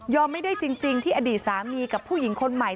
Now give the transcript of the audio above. ไม่ได้จริงที่อดีตสามีกับผู้หญิงคนใหม่